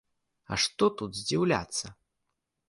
А што тут здзіўляцца?